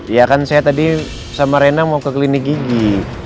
ya kan saya tadi sama rena mau ke klinik gigi